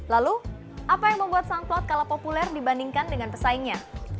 lalu apa yang membuat soundcloud kalah populer dibandingkan dengan pesaingnya